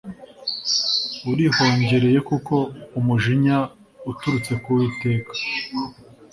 urihongerere kuko umujinya uturutse ku uwiteka